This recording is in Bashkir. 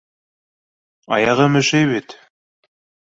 Аяғым өшөй бит!